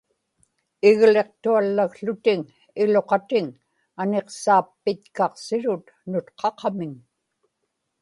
igliqtuallakłutiŋ iluqatiŋ aniqsaappitkaqsirut nutqaqamiŋ